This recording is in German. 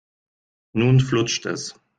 Nun flutscht es.